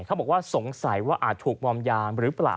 เขาบอกว่าสงสัยว่าอาจถูกมอมยามหรือเปล่า